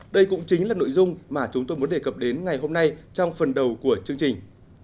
đây cũng chính là nội dung mà chúng tôi muốn đề cập đến ngày hôm nay trong phần đầu của chương trình